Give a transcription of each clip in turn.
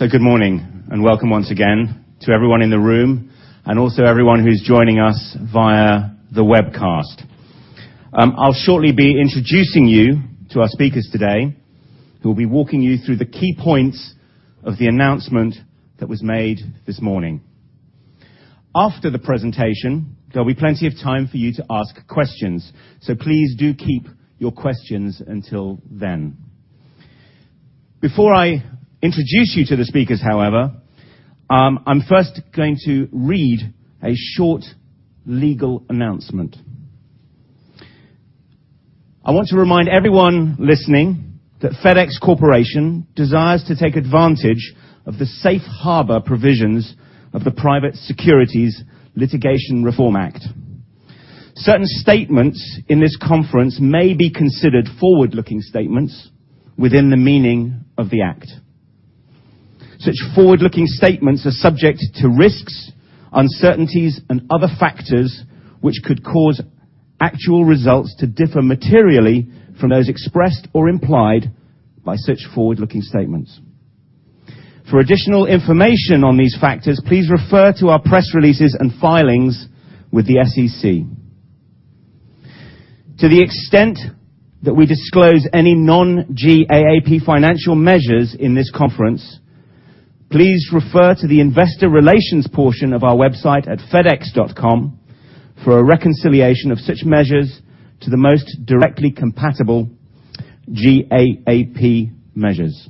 Good morning, and welcome once again to everyone in the room, and also everyone who's joining us via the webcast. I'll shortly be introducing you to our speakers today, who will be walking you through the key points of the announcement that was made this morning. After the presentation, there'll be plenty of time for you to ask questions, so please do keep your questions until then. Before I introduce you to the speakers, however, I'm first going to read a short legal announcement. I want to remind everyone listening that FedEx Corporation desires to take advantage of the safe harbor provisions of the Private Securities Litigation Reform Act. Certain statements in this conference may be considered forward-looking statements within the meaning of the Act. Such forward-looking statements are subject to risks, uncertainties, and other factors which could cause actual results to differ materially from those expressed or implied by such forward-looking statements. For additional information on these factors, please refer to our press releases and filings with the SEC. To the extent that we disclose any non-GAAP financial measures in this conference, please refer to the investor relations portion of our website at fedex.com for a reconciliation of such measures to the most directly compatible GAAP measures.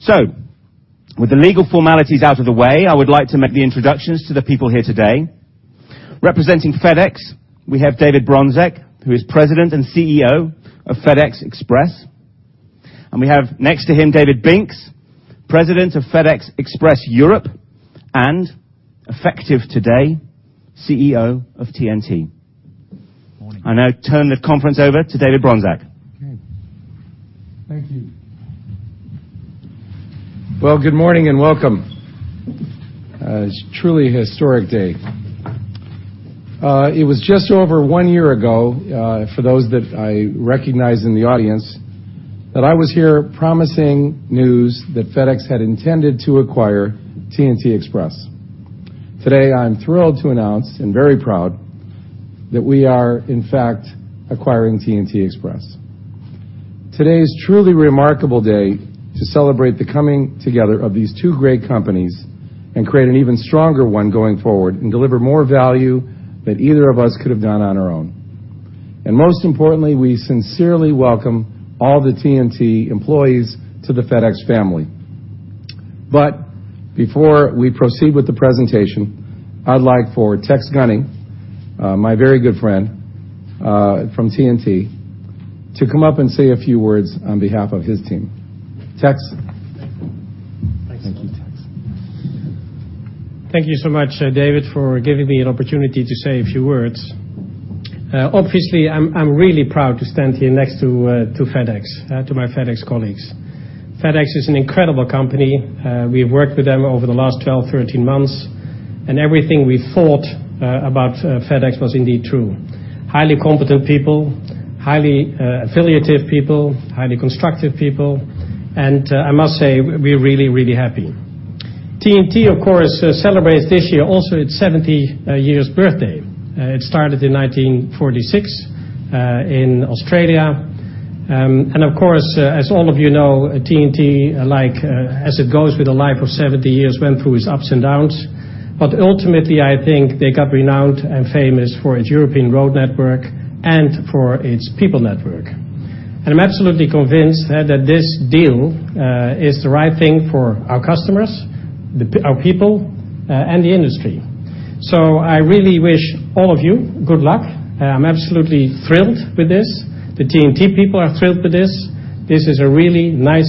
So with the legal formalities out of the way, I would like to make the introductions to the people here today. Representing FedEx, we have David Bronczek, who is President and CEO of FedEx Express, and we have next to him, David Binks, President of FedEx Express Europe, and effective today, CEO of TNT. Morning. I now turn the conference over to David Bronczek. Okay. Thank you. Well, good morning, and welcome. It's truly a historic day. It was just over one year ago, for those that I recognize in the audience, that I was here promising news that FedEx had intended to acquire TNT Express. Today, I'm thrilled to announce, and very proud, that we are, in fact, acquiring TNT Express. Today is a truly remarkable day to celebrate the coming together of these two great companies and create an even stronger one going forward, and deliver more value than either of us could have done on our own. And most importantly, we sincerely welcome all the TNT employees to the FedEx family. But before we proceed with the presentation, I'd like for Tex Gunning, my very good friend, from TNT, to come up and say a few words on behalf of his team. Tex? Thank you. Thank you, Tex. Thank you so much, David, for giving me an opportunity to say a few words. Obviously, I'm really proud to stand here next to FedEx, to my FedEx colleagues. FedEx is an incredible company. We've worked with them over the last 12, 13 months, and everything we thought about FedEx was indeed true. Highly competent people, highly affiliative people, highly constructive people, and I must say, we're really, really happy. TNT, of course, celebrates this year also its 70 years birthday. It started in 1946 in Australia. And of course, as all of you know, TNT, like, as it goes with a life of 70 years, went through its ups and downs. But ultimately, I think they got renowned and famous for its European road network and for its people network. I'm absolutely convinced that this deal is the right thing for our customers, our people, and the industry. So I really wish all of you good luck. I'm absolutely thrilled with this. The TNT people are thrilled with this. This is a really nice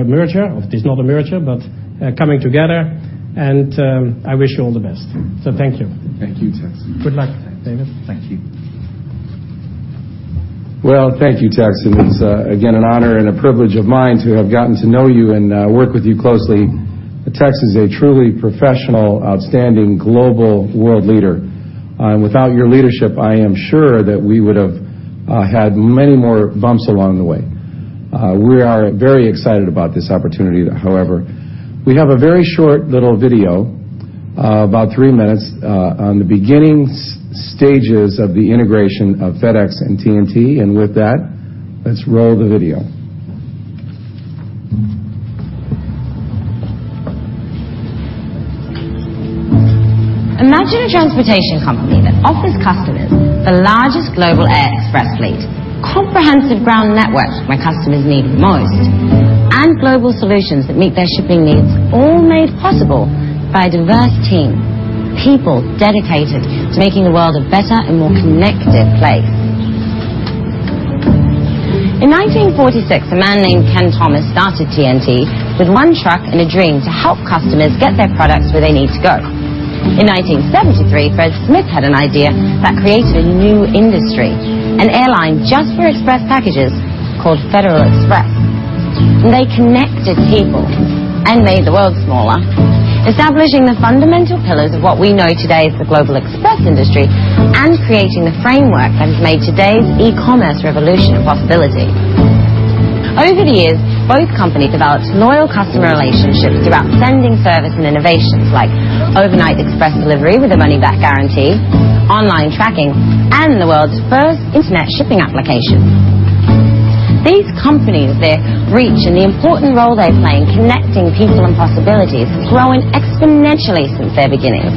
merger. It is not a merger, but a coming together, I wish you all the best. So thank you. Thank you, Tex. Good luck, David. Thank you. Well, thank you, Tex, and it's again an honor and a privilege of mine to have gotten to know you and work with you closely. Tex is a truly professional, outstanding global world leader, and without your leadership, I am sure that we would have had many more bumps along the way. We are very excited about this opportunity, however. We have a very short little video about three minutes on the beginning stages of the integration of FedEx and TNT, and with that, let's roll the video. Imagine a transportation company that offers customers the largest global air express fleet, comprehensive ground networks where customers need the most, and global solutions that meet their shipping needs, all made possible by a diverse team, people dedicated to making the world a better and more connected place. In 1946, a man named Ken Thomas started TNT with one truck and a dream to help customers get their products where they need to go. In 1973, Fred Smith had an idea that created a new industry, an airline just for express packages called Federal Express. They connected people and made the world smaller, establishing the fundamental pillars of what we know today as the global express industry, and creating the framework that has made today's e-commerce revolution a possibility. Over the years, both companies developed loyal customer relationships throughout sending service and innovations like overnight express delivery with a money-back guarantee, online tracking, and the world's first internet shipping application. These companies, their reach, and the important role they play in connecting people and possibilities, growing exponentially since their beginnings.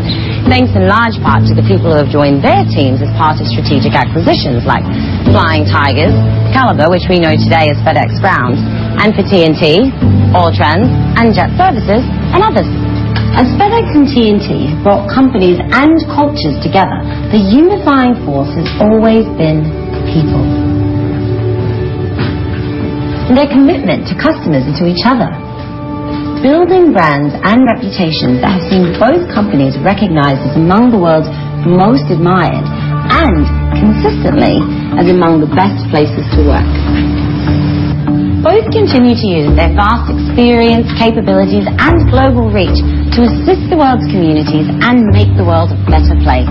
Thanks in large part to the people who have joined their teams as part of strategic acquisitions like Flying Tigers, Caliber, which we know today as FedEx Ground, and for TNT, Alltrans, and Jet Services, and others. As FedEx and TNT have brought companies and cultures together, the unifying force has always been people. And their commitment to customers and to each other, building brands and reputations that have seen both companies recognized as among the world's most admired and consistently as among the best places to work. Both continue to use their vast experience, capabilities, and global reach to assist the world's communities and make the world a better place.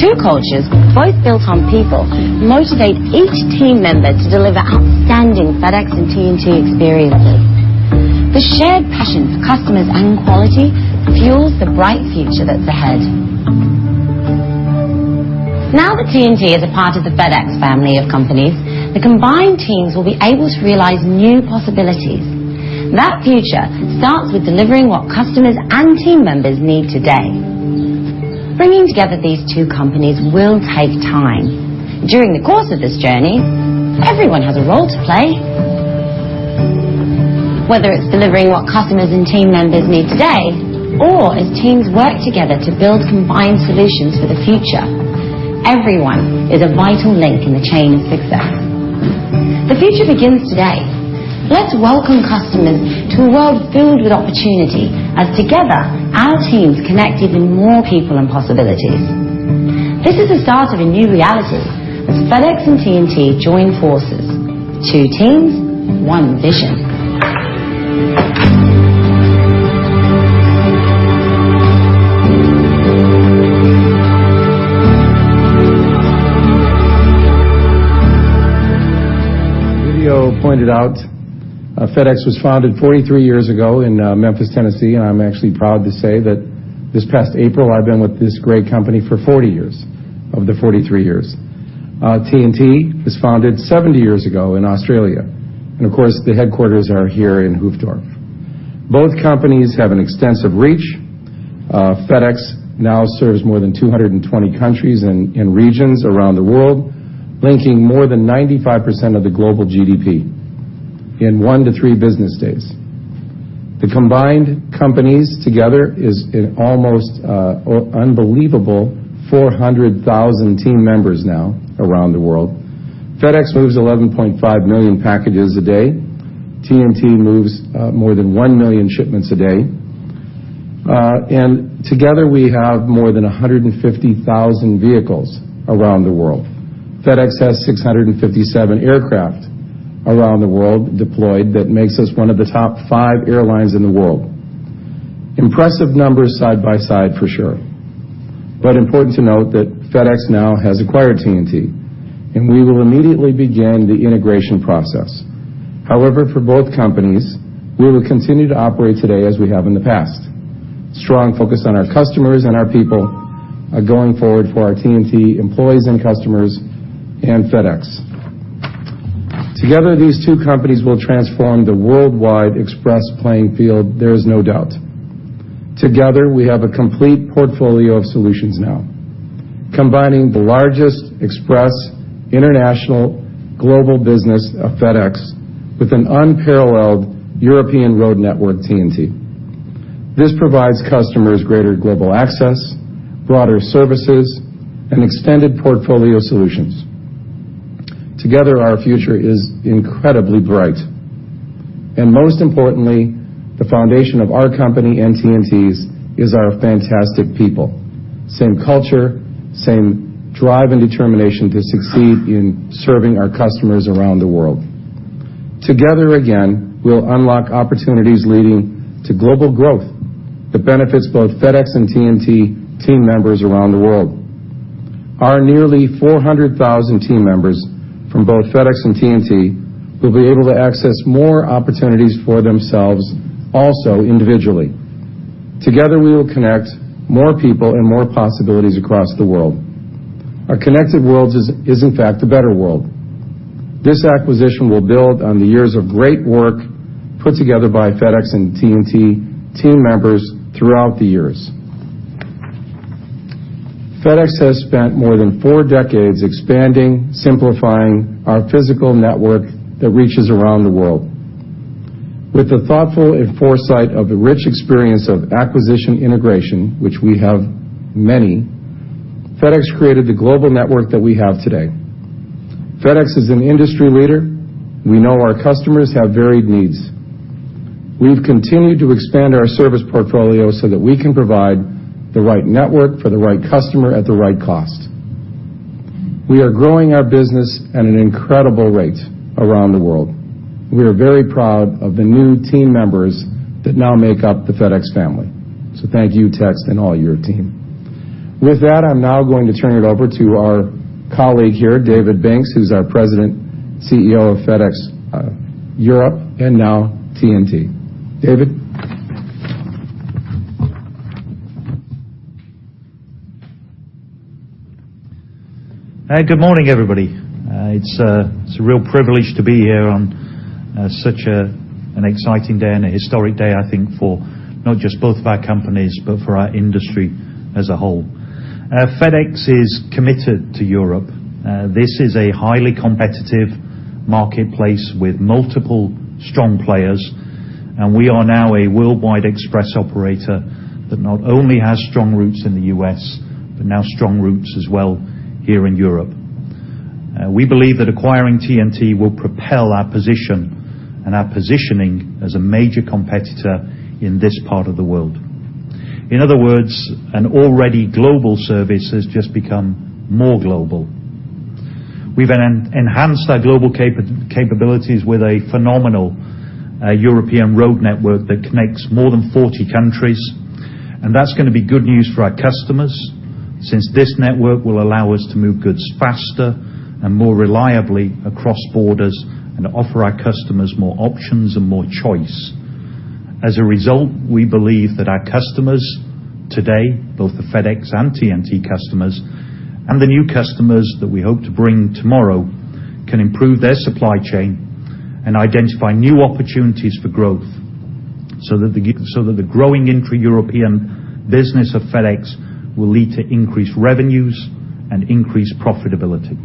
Two cultures, both built on people, motivate each team member to deliver outstanding FedEx and TNT experiences. The shared passion for customers and quality fuels the bright future that's ahead. Now that TNT is a part of the FedEx family of companies, the combined teams will be able to realize new possibilities. That future starts with delivering what customers and team members need today. Bringing together these two companies will take time. During the course of this journey, everyone has a role to play. Whether it's delivering what customers and team members need today, or as teams work together to build combined solutions for the future, everyone is a vital link in the chain of success. The future begins today. Let's welcome customers to a world filled with opportunity as together, our teams connect even more people and possibilities. This is the start of a new reality as FedEx and TNT join forces. Two teams, one vision. As the video pointed out, FedEx was founded 43 years ago in Memphis, Tennessee, and I'm actually proud to say that this past April, I've been with this great company for 40 years, of the 43 years. TNT was founded 70 years ago in Australia, and of course, the headquarters are here in Hoofddorp. Both companies have an extensive reach. FedEx now serves more than 220 countries and regions around the world, linking more than 95% of the global GDP in one to three business days. The combined companies together is an almost unbelievable 400,000 team members now around the world. FedEx moves 11.5 million packages a day. TNT moves more than 1 million shipments a day. And together, we have more than 150,000 vehicles around the world. FedEx has 657 aircraft around the world deployed, that makes us one of the top five airlines in the world. Impressive numbers side by side, for sure. But important to note that FedEx now has acquired TNT, and we will immediately begin the integration process. However, for both companies, we will continue to operate today as we have in the past. Strong focus on our customers and our people are going forward for our TNT employees and customers and FedEx. Together, these two companies will transform the worldwide express playing field, there is no doubt. Together, we have a complete portfolio of solutions now, combining the largest express international global business of FedEx with an unparalleled European road network, TNT. This provides customers greater global access, broader services, and extended portfolio solutions. Together, our future is incredibly bright. Most importantly, the foundation of our company and TNT's is our fantastic people. Same culture, same drive, and determination to succeed in serving our customers around the world. Together, again, we'll unlock opportunities leading to global growth that benefits both FedEx and TNT team members around the world. Our nearly 400,000 team members from both FedEx and TNT will be able to access more opportunities for themselves also individually. Together, we will connect more people and more possibilities across the world. A connected world is, is in fact, a better world. This acquisition will build on the years of great work put together by FedEx and TNT team members throughout the years. FedEx has spent more than four decades expanding, simplifying our physical network that reaches around the world. With the thoughtful and foresight of the rich experience of acquisition integration, which we have many, FedEx created the global network that we have today. FedEx is an industry leader. We know our customers have varied needs. We've continued to expand our service portfolio so that we can provide the right network for the right customer at the right cost.... We are growing our business at an incredible rate around the world. We are very proud of the new team members that now make up the FedEx family. So thank you, Tex, and all your team. With that, I'm now going to turn it over to our colleague here, David Binks, who's our President, CEO of FedEx Europe, and now TNT. David? Hi, good morning, everybody. It's a real privilege to be here on such an exciting day and a historic day, I think, for not just both of our companies, but for our industry as a whole. FedEx is committed to Europe. This is a highly competitive marketplace with multiple strong players, and we are now a worldwide express operator that not only has strong roots in the U.S., but now strong roots as well here in Europe. We believe that acquiring TNT will propel our position and our positioning as a major competitor in this part of the world. In other words, an already global service has just become more global. We've enhanced our global capabilities with a phenomenal European road network that connects more than 40 countries, and that's going to be good news for our customers, since this network will allow us to move goods faster and more reliably across borders and offer our customers more options and more choice. As a result, we believe that our customers today, both the FedEx and TNT customers, and the new customers that we hope to bring tomorrow, can improve their supply chain and identify new opportunities for growth, so that the growing intra-European business of FedEx will lead to increased revenues and increased profitability.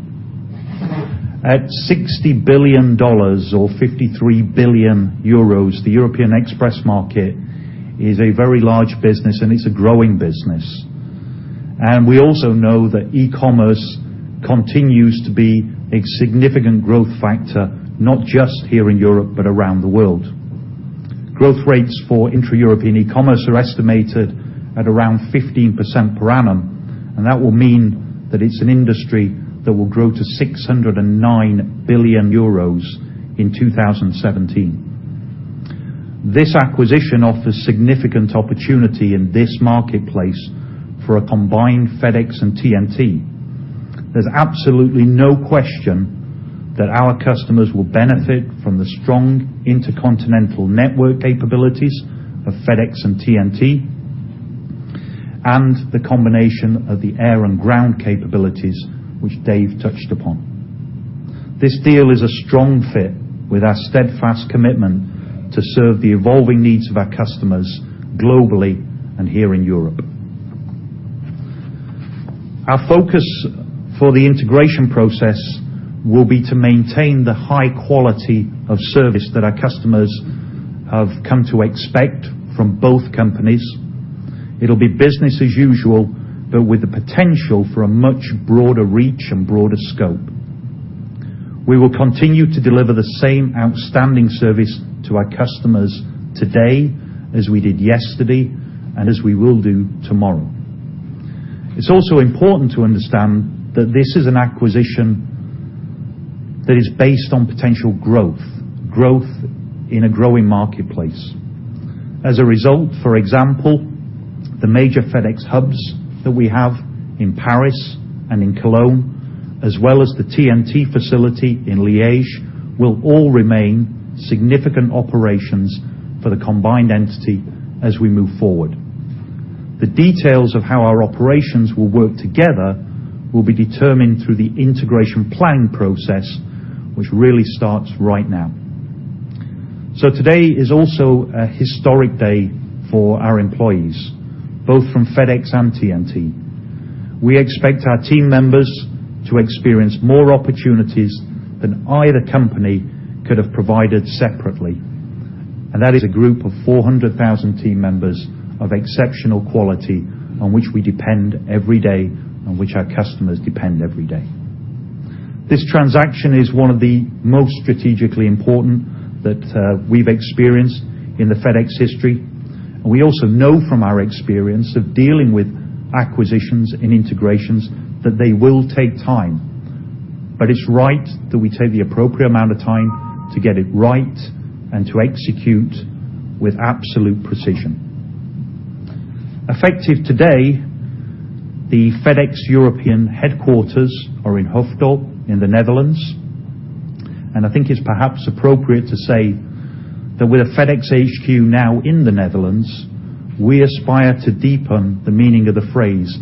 At $60 billion, or EUR 53 billion, the European express market is a very large business, and it's a growing business. We also know that e-commerce continues to be a significant growth factor, not just here in Europe, but around the world. Growth rates for intra-European e-commerce are estimated at around 15% per annum, and that will mean that it's an industry that will grow to 609 billion euros in 2017. This acquisition offers significant opportunity in this marketplace for a combined FedEx and TNT. There's absolutely no question that our customers will benefit from the strong intercontinental network capabilities of FedEx and TNT, and the combination of the air and ground capabilities, which Dave touched upon. This deal is a strong fit with our steadfast commitment to serve the evolving needs of our customers globally and here in Europe. Our focus for the integration process will be to maintain the high quality of service that our customers have come to expect from both companies. It'll be business as usual, but with the potential for a much broader reach and broader scope. We will continue to deliver the same outstanding service to our customers today as we did yesterday, and as we will do tomorrow. It's also important to understand that this is an acquisition that is based on potential growth, growth in a growing marketplace. As a result, for example, the major FedEx hubs that we have in Paris and in Cologne, as well as the TNT facility in Liège will all remain significant operations for the combined entity as we move forward. The details of how our operations will work together will be determined through the integration planning process, which really starts right now. So today is also a historic day for our employees, both from FedEx and TNT. We expect our team members to experience more opportunities than either company could have provided separately, and that is a group of 400,000 team members of exceptional quality, on which we depend every day, on which our customers depend every day. This transaction is one of the most strategically important that we've experienced in the FedEx history. We also know from our experience of dealing with acquisitions and integrations, that they will take time. But it's right that we take the appropriate amount of time to get it right and to execute with absolute precision. Effective today, the FedEx European headquarters are in Hoofddorp, in the Netherlands, and I think it's perhaps appropriate to say that with a FedEx HQ now in the Netherlands, we aspire to deepen the meaning of the phrase,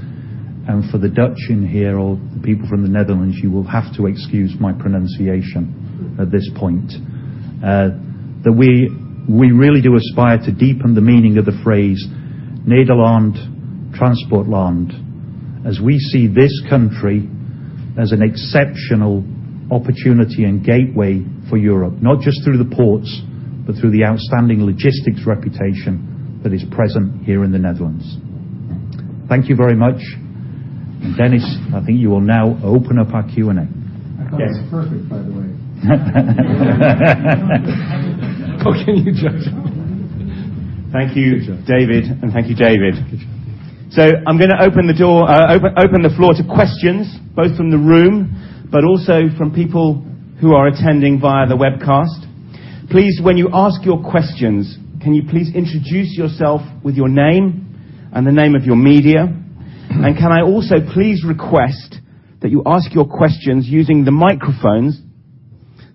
and for the Dutch in here or the people from the Netherlands, you will have to excuse my pronunciation at this point. That we, we really do aspire to deepen the meaning of the phrase, "Nederland Transportland," as we see this country as an exceptional opportunity and gateway for Europe, not just through the ports, but through the outstanding logistics reputation that is present here in the Netherlands. Thank you very much. And Dennis, I think you will now open up our Q&A. I thought it was perfect, by the way. Oh, can you judge? ...Thank you, David, and thank you, David. So I'm going to open the floor to questions, both from the room, but also from people who are attending via the webcast. Please, when you ask your questions, can you please introduce yourself with your name and the name of your media? And can I also please request that you ask your questions using the microphones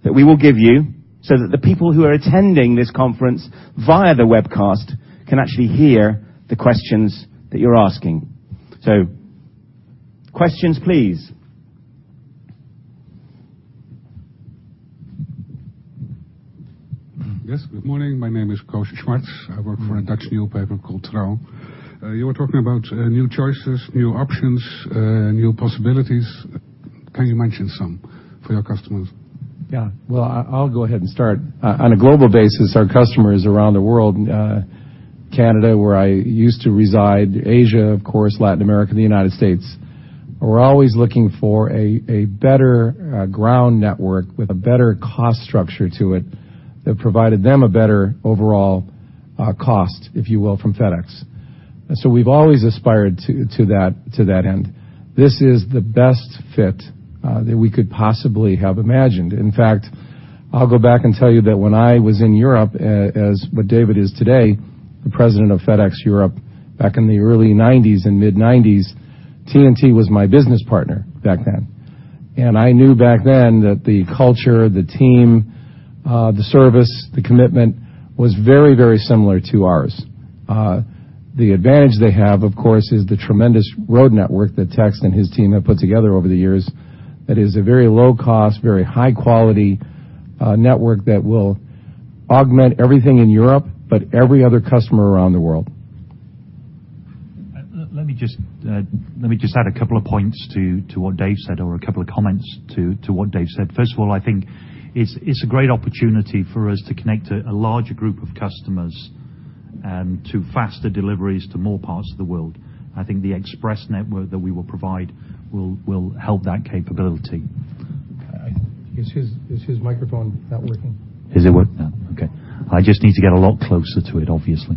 that we will give you, so that the people who are attending this conference via the webcast can actually hear the questions that you're asking. So questions, please. Yes, good morning. My name is Koos Schwartz. I work for a Dutch newspaper called Trouw. You were talking about new choices, new options, new possibilities. Can you mention some for your customers? Yeah. Well, I, I'll go ahead and start. On a global basis, our customers around the world, Canada, where I used to reside, Asia, of course, Latin America, the United States, are always looking for a better ground network with a better cost structure to it, that provided them a better overall cost, if you will, from FedEx. So we've always aspired to that end. This is the best fit that we could possibly have imagined. In fact, I'll go back and tell you that when I was in Europe, as David is today, the president of FedEx Express Europe, back in the early 1990s and mid-1990s, TNT was my business partner back then. And I knew back then that the culture, the team, the service, the commitment was very, very similar to ours. The advantage they have, of course, is the tremendous road network that Tex and his team have put together over the years. That is a very low cost, very high quality, network that will augment everything in Europe, but every other customer around the world. Let me just add a couple of points to what Dave said, or a couple of comments to what Dave said. First of all, I think it's a great opportunity for us to connect a larger group of customers and to faster deliveries to more parts of the world. I think the express network that we will provide will help that capability. Is his microphone not working? Is it working now? Okay. I just need to get a lot closer to it, obviously.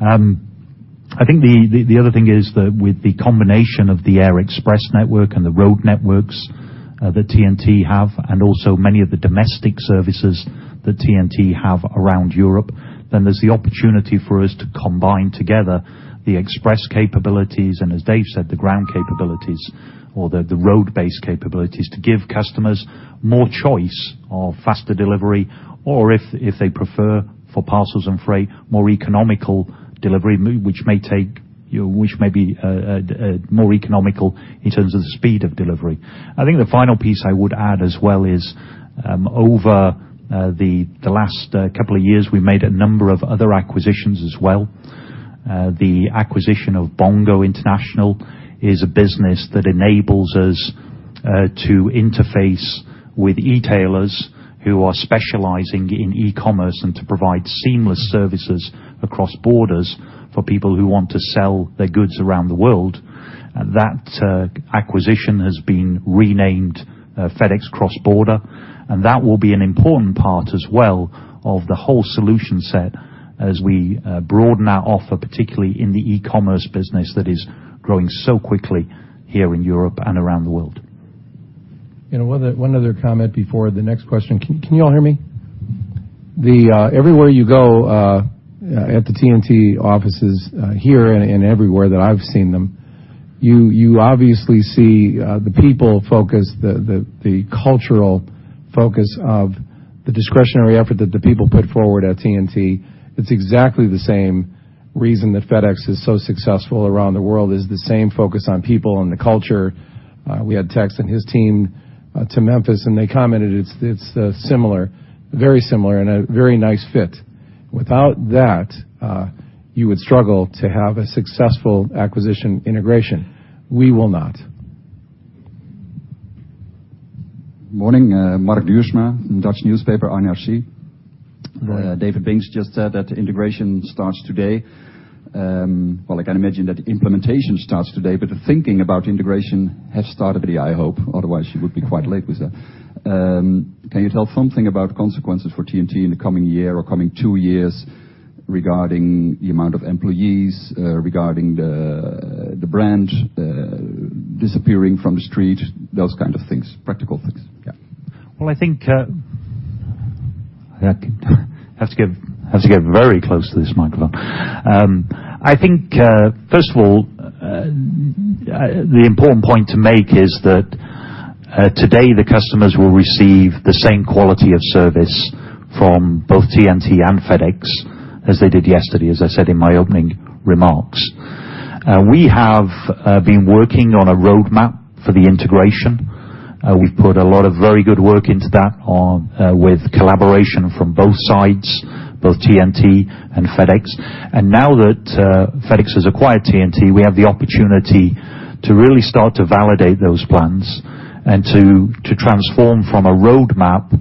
I think the other thing is that with the combination of the Air Express network and the road networks that TNT have, and also many of the domestic services that TNT have around Europe, then there's the opportunity for us to combine together the express capabilities, and as Dave said, the ground capabilities or the road-based capabilities, to give customers more choice of faster delivery, or if they prefer, for parcels and freight, more economical delivery, which may take... Which may be more economical in terms of the speed of delivery. I think the final piece I would add as well is, over the last couple of years, we made a number of other acquisitions as well. The acquisition of Bongo International is a business that enables us to interface with e-tailers who are specializing in e-commerce, and to provide seamless services across borders for people who want to sell their goods around the world. That acquisition has been renamed FedEx Cross Border, and that will be an important part as well of the whole solution set as we broaden our offer, particularly in the e-commerce business that is growing so quickly here in Europe and around the world. You know, one other comment before the next question. Can you all hear me? Everywhere you go, at the TNT offices, here and everywhere that I've seen them, you obviously see the people focus, the cultural focus of the discretionary effort that the people put forward at TNT. It's exactly the same reason that FedEx is so successful around the world, is the same focus on people and the culture. We had Tex and his team to Memphis, and they commented, it's similar, very similar and a very nice fit. Without that, you would struggle to have a successful acquisition integration. We will not. Morning. Mark Duursma, Dutch newspaper, NRC. Hi. David Binks just said that the integration starts today. Well, I can imagine that implementation starts today, but the thinking about integration has started already, I hope. Otherwise, you would be quite late with that. Can you tell something about consequences for TNT in the coming year or coming two years regarding the amount of employees, regarding the brand, disappearing from the street, those kind of things, practical things? Yeah. Well, I think, I have to get very close to this microphone. I think, first of all, the important point to make is that, today, the customers will receive the same quality of service from both TNT and FedEx as they did yesterday, as I said in my opening remarks. We have been working on a roadmap for the integration. We've put a lot of very good work into that with collaboration from both sides, both TNT and FedEx. And now that FedEx has acquired TNT, we have the opportunity to really start to validate those plans and to transform from a roadmap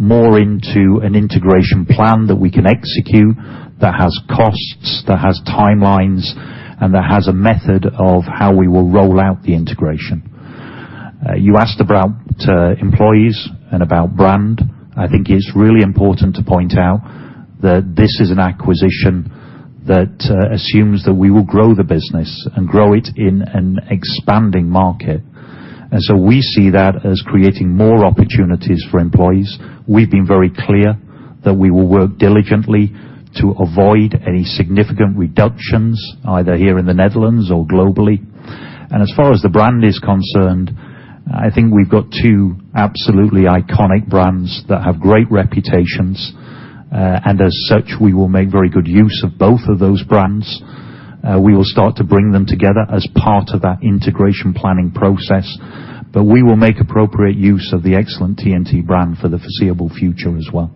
more into an integration plan that we can execute, that has costs, that has timelines, and that has a method of how we will roll out the integration. You asked about employees and about brand. I think it's really important to point out that this is an acquisition that assumes that we will grow the business and grow it in an expanding market. So we see that as creating more opportunities for employees. We've been very clear that we will work diligently to avoid any significant reductions, either here in the Netherlands or globally. As far as the brand is concerned, I think we've got two absolutely iconic brands that have great reputations. As such, we will make very good use of both of those brands. We will start to bring them together as part of that integration planning process, but we will make appropriate use of the excellent TNT brand for the foreseeable future as well.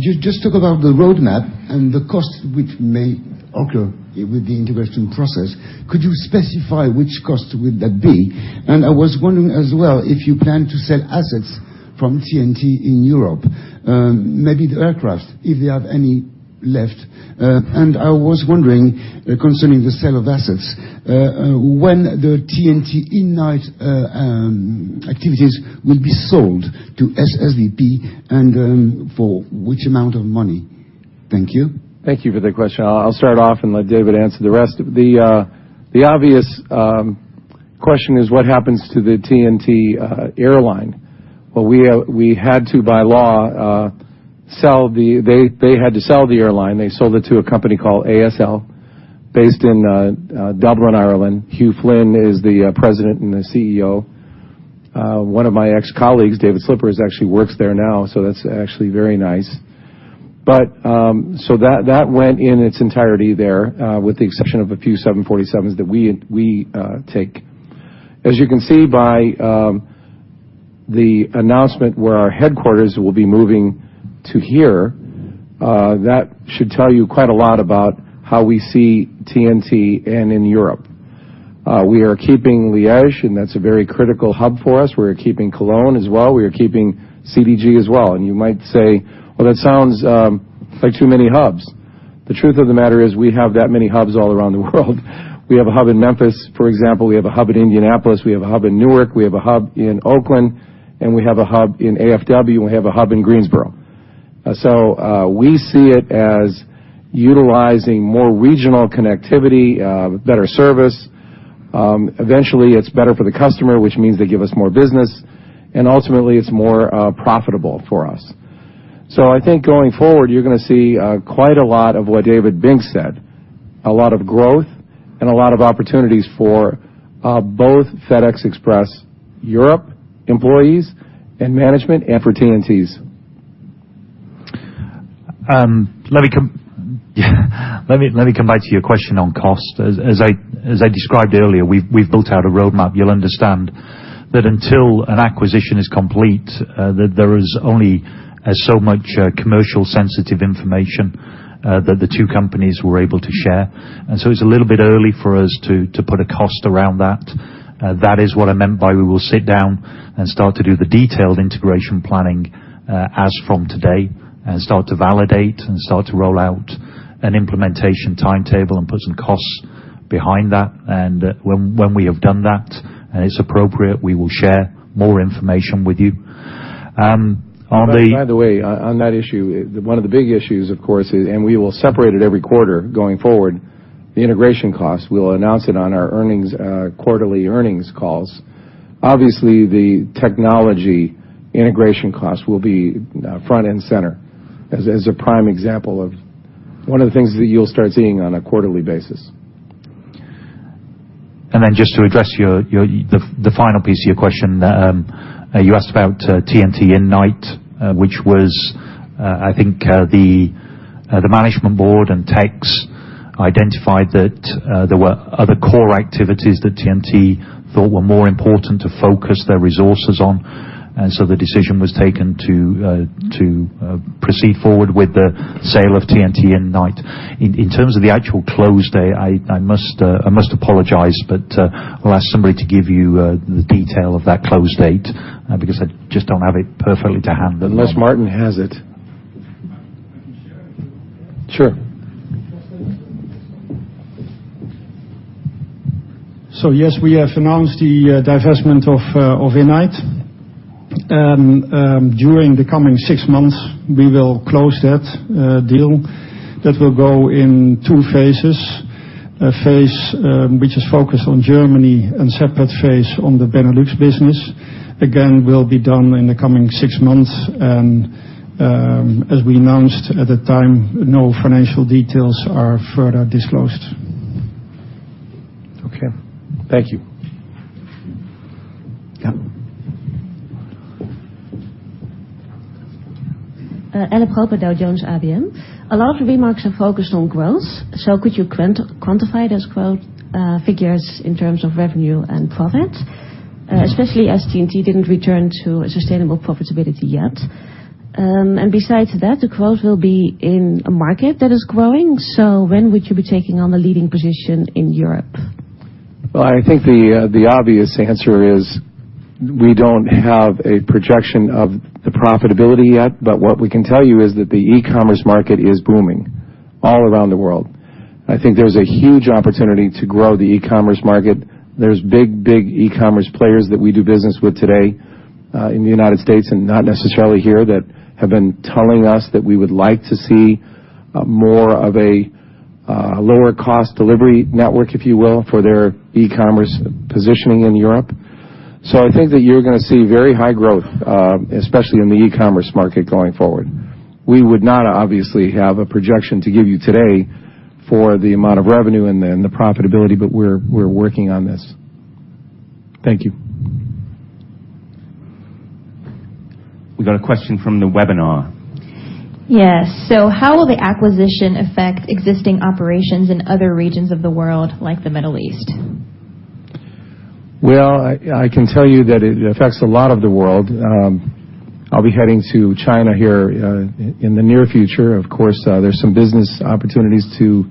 Did you build the physical? You just talk about the roadmap and the cost which may occur with the integration process. Could you specify which cost would that be? And I was wondering as well, if you plan to sell assets from TNT in Europe, maybe the aircraft, if they have any left. And I was wondering, concerning the sale of assets, when the TNT Innight activities will be sold to SSVP and, for which amount of money? Thank you. Thank you for the question. I'll start off and let David answer the rest of it. The obvious question is what happens to the TNT airline? Well, we had to by law sell the-- they had to sell the airline. They sold it to a company called ASL, based in Dublin, Ireland. Hugh Flynn is the president and the CEO. One of my ex-colleagues, David Slipper, actually works there now, so that's actually very nice. But so that went in its entirety there with the exception of a few 747s that we take. As you can see by the announcement where our headquarters will be moving to here, that should tell you quite a lot about how we see TNT and in Europe. We are keeping Liège, and that's a very critical hub for us. We're keeping Cologne as well. We are keeping CDG as well. And you might say: Well, that sounds like too many hubs. The truth of the matter is, we have that many hubs all around the world. We have a hub in Memphis, for example, we have a hub in Indianapolis, we have a hub in Newark, we have a hub in Oakland, and we have a hub in AFW, and we have a hub in Greensboro. So, we see it as utilizing more regional connectivity, better service. Eventually, it's better for the customer, which means they give us more business, and ultimately, it's more profitable for us. So I think going forward, you're going to see quite a lot of what David Binks said, a lot of growth and a lot of opportunities for both FedEx Express Europe employees and management, and for TNT's. Let me come back to your question on cost. As I described earlier, we've built out a roadmap. You'll understand that until an acquisition is complete, that there is only so much commercially sensitive information that the two companies were able to share. And so it's a little bit early for us to put a cost around that. That is what I meant by we will sit down and start to do the detailed integration planning, as from today, and start to validate and start to roll out an implementation timetable and put some costs behind that. When we have done that, and it's appropriate, we will share more information with you. On the- By the way, on that issue, one of the big issues, of course, is, and we will separate it every quarter going forward, the integration costs. We'll announce it on our earnings quarterly earnings calls. Obviously, the technology integration costs will be front and center as a prime example of one of the things that you'll start seeing on a quarterly basis. And then just to address the final piece of your question. You asked about TNT Innight, which was, I think, the management board and execs identified that there were other core activities that TNT thought were more important to focus their resources on. And so the decision was taken to proceed forward with the sale of TNT Innight. In terms of the actual closing date, I must apologize, but I'll ask somebody to give you the detail of that closing date, because I just don't have it perfectly to hand. Unless Martin has it. I can share it, sure So yes, we have announced the divestment of Innight. And during the coming six months, we will close that deal. That will go in two phases. A phase which is focused on Germany and separate phase on the Benelux business. Again, will be done in the coming six months, and as we announced at the time, no financial details are further disclosed. Okay. Thank you. Yeah. Ellen Proper, Dow Jones, ABM. A lot of the remarks are focused on growth, so could you quantify those growth figures in terms of revenue and profit? Especially as TNT didn't return to sustainable profitability yet. And besides that, the growth will be in a market that is growing, so when would you be taking on the leading position in Europe?... Well, I think the obvious answer is we don't have a projection of the profitability yet, but what we can tell you is that the e-commerce market is booming all around the world. I think there's a huge opportunity to grow the e-commerce market. There's big, big e-commerce players that we do business with today in the United States and not necessarily here, that have been telling us that we would like to see more of a lower cost delivery network, if you will, for their e-commerce positioning in Europe. So I think that you're gonna see very high growth, especially in the e-commerce market, going forward. We would not obviously have a projection to give you today for the amount of revenue and then the profitability, but we're working on this. Thank you. We got a question from the webinar. Yes. So how will the acquisition affect existing operations in other regions of the world, like the Middle East? Well, I, I can tell you that it affects a lot of the world. I'll be heading to China here, in the near future. Of course, there's some business opportunities to,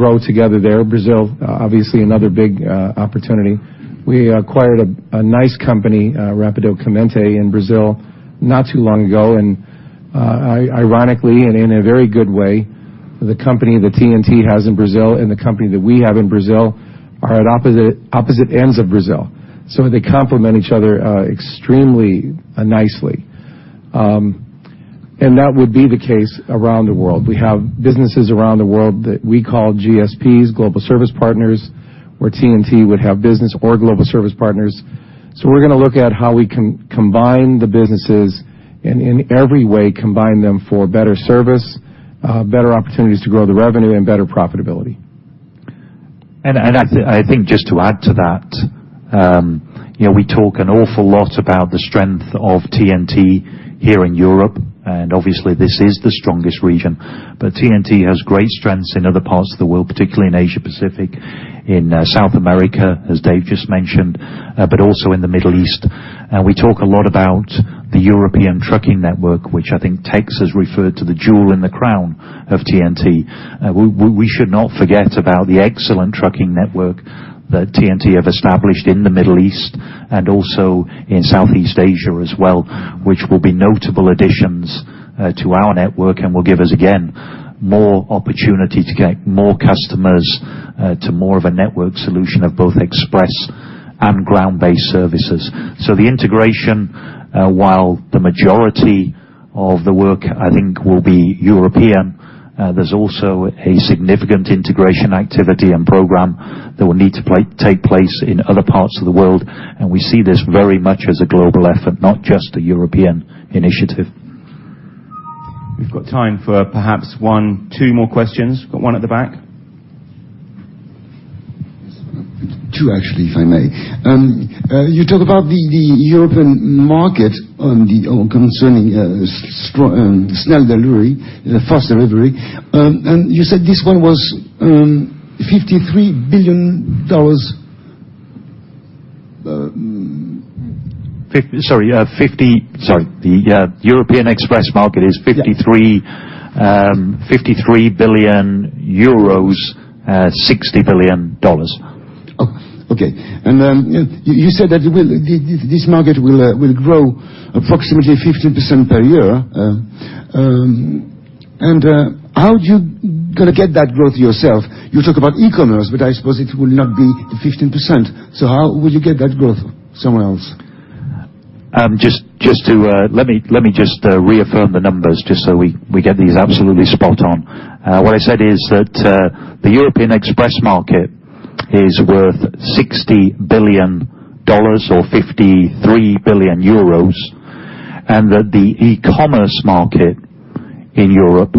grow together there. Brazil, obviously, another big, opportunity. We acquired a, a nice company, Rapidão Cometa, in Brazil not too long ago, and, ironically, and in a very good way, the company that TNT has in Brazil and the company that we have in Brazil are at opposite, opposite ends of Brazil, so they complement each other, extremely nicely. And that would be the case around the world. We have businesses around the world that we call GSPs, Global Service Partners, where TNT would have business or Global Service Partners. So we're gonna look at how we can combine the businesses and in every way, combine them for better service, better opportunities to grow the revenue, and better profitability. And I think just to add to that, you know, we talk an awful lot about the strength of TNT here in Europe, and obviously, this is the strongest region. But TNT has great strengths in other parts of the world, particularly in Asia Pacific, in South America, as Dave just mentioned, but also in the Middle East. And we talk a lot about the European trucking network, which I think Tex has referred to the jewel in the crown of TNT. We should not forget about the excellent trucking network that TNT have established in the Middle East and also in Southeast Asia as well, which will be notable additions to our network and will give us, again, more opportunity to get more customers to more of a network solution of both express and ground-based services. So the integration, while the majority of the work, I think, will be European, there's also a significant integration activity and program that will need to take place in other parts of the world, and we see this very much as a global effort, not just a European initiative. We've got time for perhaps one, two more questions. Got one at the back. Two, actually, if I may. You talk about the, the European market on the, or concerning strong, snel delivery, the fast delivery. You said this one was $53 billion. Sorry. The European express market is 53- Yeah. 53 billion euros, $60 billion. Oh, okay. You said that this market will grow approximately 15% per year. How do you gonna get that growth yourself? You talk about e-commerce, but I suppose it will not be 15%. So how will you get that growth somewhere else? Just to reaffirm the numbers, just so we get these absolutely spot on. What I said is that the European express market is worth $60 billion, or 53 billion euros, and that the e-commerce market in Europe,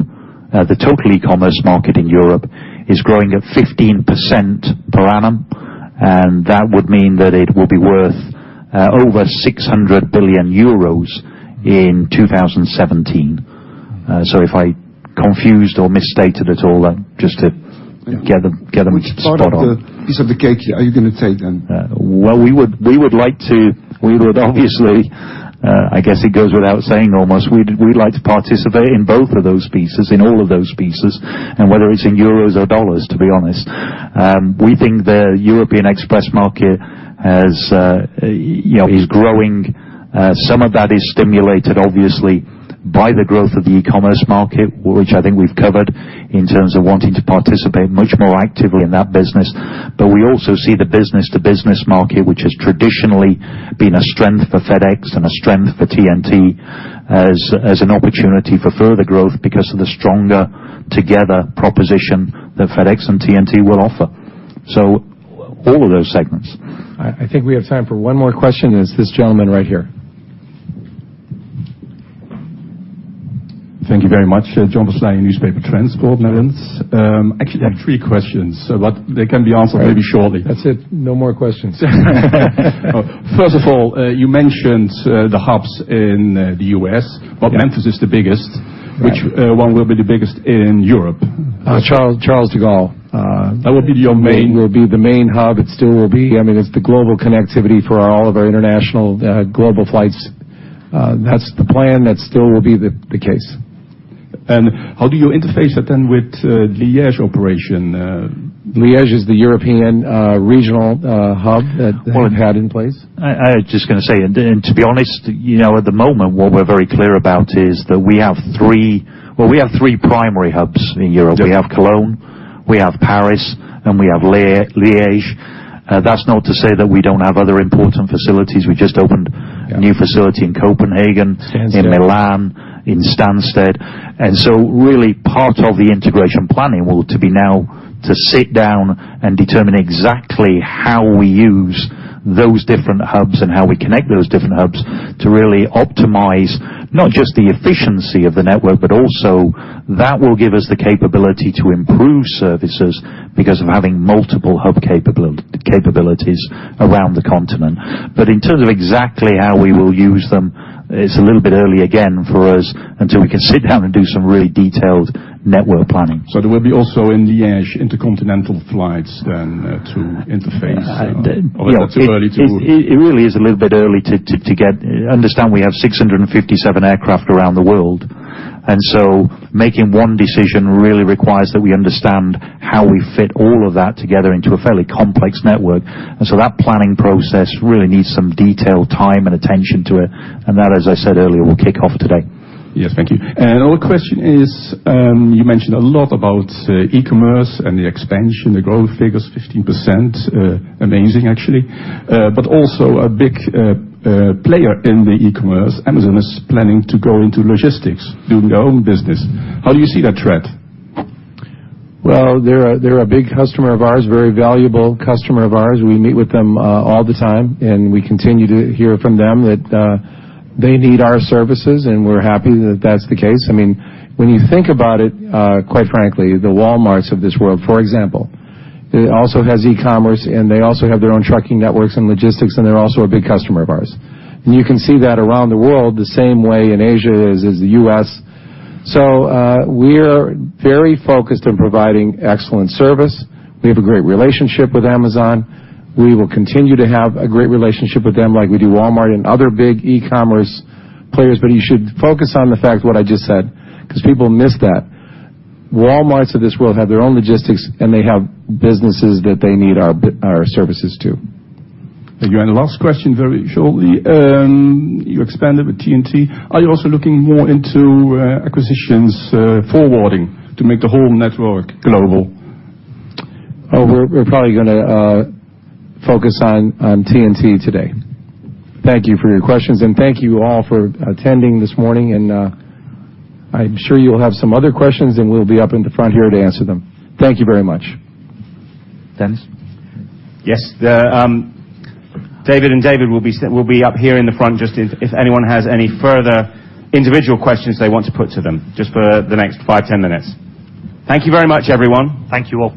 the total e-commerce market in Europe, is growing at 15% per annum, and that would mean that it will be worth over 600 billion euros in 2017. So if I confused or misstated at all, then just to get them, get them spot on. Which part of the piece of the cake are you gonna take then? Well, we would, we would like to, we would obviously, I guess it goes without saying, almost, we'd, we'd like to participate in both of those pieces, in all of those pieces, and whether it's in euros or dollars, to be honest. We think the European express market has, you know, is growing. Some of that is stimulated, obviously, by the growth of the e-commerce market, which I think we've covered in terms of wanting to participate much more actively in that business. But we also see the business-to-business market, which has traditionally been a strength for FedEx and a strength for TNT, as an opportunity for further growth because of the stronger together proposition that FedEx and TNT will offer. So all of those segments. I think we have time for one more question, and it's this gentleman right here. Thank you very much. John Versleijen, newspaper Nieuwsblad Transport. Actually, I have three questions, but they can be answered maybe shortly. That's it. No more questions. First of all, you mentioned the hubs in the U.S. Yeah. Well, Memphis is the biggest. Right. Which one will be the biggest in Europe? Charles, Charles de Gaulle. That will be your main- Will be the main hub. It still will be. I mean, it's the global connectivity for all of our international, global flights. That's the plan. That still will be the case. ... How do you interface that then with Liège operation? Liège is the European regional hub that they've had in place. I was just gonna say, and to be honest, you know, at the moment, what we're very clear about is that we have three... Well, we have three primary hubs in Europe. We have Cologne, we have Paris, and we have Liege. That's not to say that we don't have other important facilities. We just opened a new facility in Copenhagen- Stansted. in Milan, in Stansted. And so really, part of the integration planning will to be now to sit down and determine exactly how we use those different hubs and how we connect those different hubs to really optimize not just the efficiency of the network, but also that will give us the capability to improve services because of having multiple hub capabilities around the continent. But in terms of exactly how we will use them, it's a little bit early, again, for us until we can sit down and do some really detailed network planning. So there will be also in Liège, intercontinental flights then to interface? I- Or that's too early to- It really is a little bit early to get to understand. We have 657 aircraft around the world, and so making one decision really requires that we understand how we fit all of that together into a fairly complex network. And so that planning process really needs some detailed time and attention to it, and that, as I said earlier, will kick off today. Yes, thank you. Another question is, you mentioned a lot about e-commerce and the expansion, the growth figures, 15%, amazing, actually. Also a big player in the e-commerce, Amazon, is planning to go into logistics, doing their own business. How do you see that trend? Well, they're a, they're a big customer of ours, very valuable customer of ours. We meet with them, all the time, and we continue to hear from them that, they need our services, and we're happy that that's the case. I mean, when you think about it, quite frankly, the Walmarts of this world, for example, it also has e-commerce, and they also have their own trucking networks and logistics, and they're also a big customer of ours. And you can see that around the world, the same way in Asia as the US. So, we're very focused on providing excellent service. We have a great relationship with Amazon. We will continue to have a great relationship with them like we do Walmart and other big e-commerce players. But you should focus on the fact what I just said, 'cause people miss that. Walmarts of this world have their own logistics, and they have businesses that they need our bit, our services, too. Thank you. And the last question, very shortly. You expanded with TNT. Are you also looking more into acquisitions, forwarding, to make the whole network global? We're probably gonna focus on TNT today. Thank you for your questions, and thank you all for attending this morning. I'm sure you will have some other questions, and we'll be up in the front here to answer them. Thank you very much. Dennis? Yes. The David and David will be up here in the front just in, if anyone has any further individual questions they want to put to them, just for the next 5-10 minutes. Thank you very much, everyone. Thank you all.